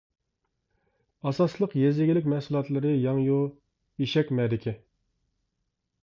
ئاساسلىق يېزا ئىگىلىك مەھسۇلاتلىرى ياڭيۇ، ئېشەكمەدىكى.